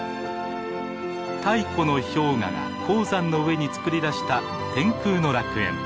太古の氷河が高山の上に作りだした天空の楽園。